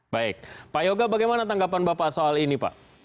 baik pak yoga bagaimana tanggapan bapak soal ini pak